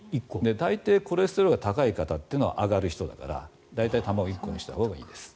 大抵、コレステロールが高い人は上がる人だから大体卵１個にしたほうがいいです。